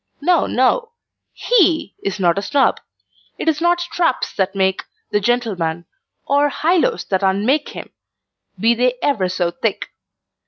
No, no, HE is not a Snob. It is not straps that make the gentleman, or highlows that unmake him, be they ever so thick.